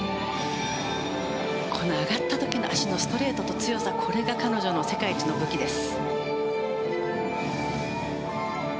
上がった時の脚のストレートと強さこれが彼女の世界一の武器です。